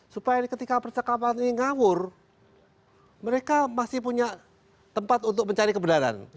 supaya ketika percakapan ini ngawur mereka masih punya tempat untuk mencari kebenaran